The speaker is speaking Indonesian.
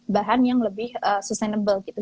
bahan yang lebih sustainable gitu